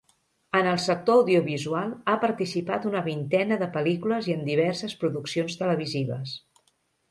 En el sector audiovisual, ha participat una vintena de pel·lícules i en diverses produccions televisives.